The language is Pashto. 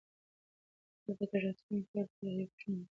زه به تر راتلونکي کال پورې یو کوچنی هوښیار ماشین جوړ کړم.